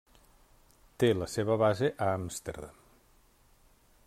Té la seva base a Amsterdam.